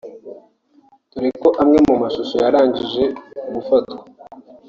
dore ko amwe mu mashusho yarangije gufatwa